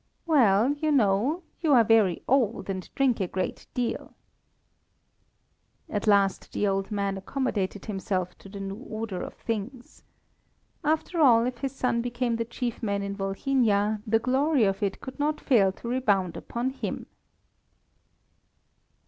"Well, you know, you are very old, and drink a great deal." At last the old man accommodated himself to the new order of things. After all, if his son became the chief man in Volhynia, the glory of it could not fail to rebound upon him.